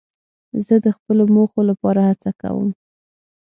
زه د خپلو موخو لپاره هڅه کوم.